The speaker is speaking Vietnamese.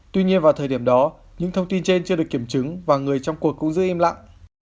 tuy nhiên vào thời điểm đó những thông tin trên chưa được kiểm chứng và người trong cuộc cũng giữ im lặng